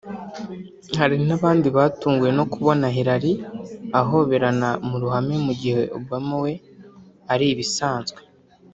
Hari n’abandi batunguwe no kubona Hillary ahoberana mu ruhame mu gihe Obama we ari ibisanzwe